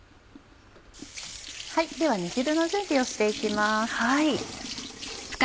では煮汁の準備をして行きます。